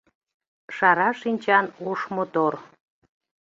Шара шинчан ош мотор.